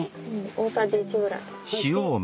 大さじ１ぐらい。